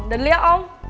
udah dulu ya om